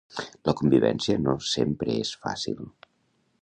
La convivència no sempre és fàcil.